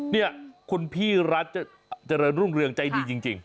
นี่คุณพี่รัฐเจริญรุ่งเรืองใจดีจริง